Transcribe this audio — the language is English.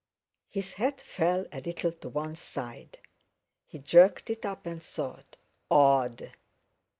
His head fell a little to one side; he jerked it up and thought: Odd!